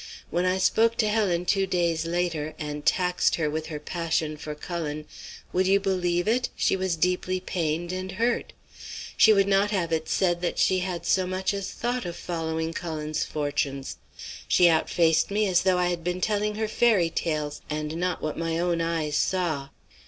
When I spoke to Helen two days later, and taxed her with her passion for Cullen, would you believe it? she was deeply pained and hurt. She would not have it said that she had so much as thought of following Cullen's fortunes. She outfaced me as though I had been telling her fairy tales, and not what my own eyes saw.